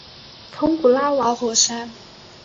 通古拉瓦火山。